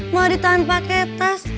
mau ditahan pakai tas